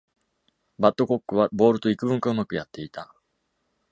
バッドコックはボールと幾分かうまくやっていた。